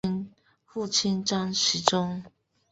父亲张时中。